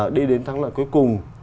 đi đến thắng lợi cuối cùng